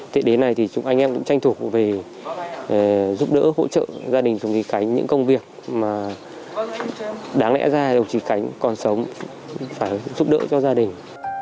thế đến nay thì chúng anh em cũng tranh thủ về giúp đỡ hỗ trợ gia đình của thủy khánh những công việc mà đáng lẽ ra là thủy khánh còn sống phải giúp đỡ cho gia đình